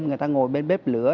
người ta ngồi bên bếp lửa